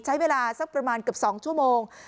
ใช้เวลาสักประมาณเกือบ๒ชั่วโมง